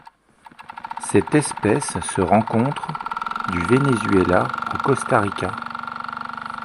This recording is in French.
Cette espèce se rencontre du Venezuela au Costa Rica.